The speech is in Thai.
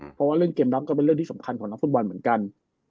เพราะว่าเรื่องเกมรับก็เป็นเรื่องที่สำคัญของนักฟุตบอลเหมือนกัน